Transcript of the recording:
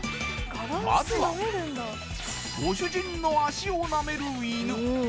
まずはご主人の足を舐める犬